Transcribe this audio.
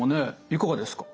いかがですか？